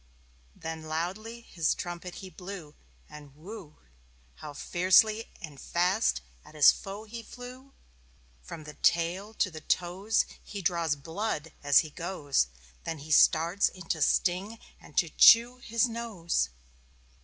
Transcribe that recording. Then loudly his trumpet he blew. And whew! How fiercely and fast at his foe he flew. From the tail to the toes He draws blood as he goes. Then he starts in to sting and to chew His nose.